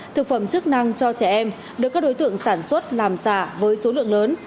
thực phẩm chức năng cho trẻ em được các đối tượng sản xuất làm giả với số lượng lớn